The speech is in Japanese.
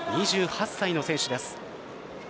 ２８歳の選手です。